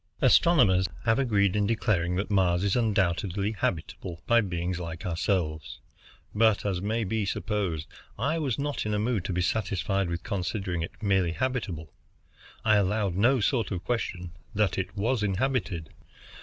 Astronomers have agreed in declaring that Mars is undoubtedly habitable by beings like ourselves, but, as may be supposed, I was not in a mood to be satisfied with considering it merely habitable. I allowed no sort of question that it was inhabited.